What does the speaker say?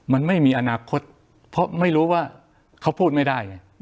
มันไม่มีอนาคตเพราะไม่รู้ว่าเขาพูดไม่ได้ไง